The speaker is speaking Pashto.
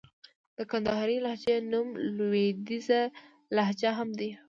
د کندهارۍ لهجې نوم لوېديځه لهجه هم دئ.